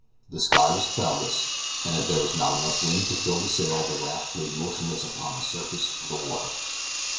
The sky was cloudless, and as there was not enough wind to fill the sail the raft lay motionless upon the surface of the water.